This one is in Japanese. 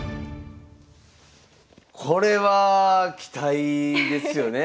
これは期待ですよね。